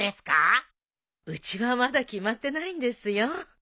うちはまだ決まってないんですよ。